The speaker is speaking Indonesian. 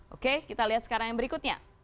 oke kita lihat sekarang yang berikutnya